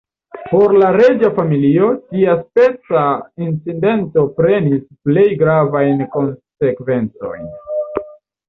Por la reĝa familio, tiaspeca incidento prenis plej gravajn konsekvencojn.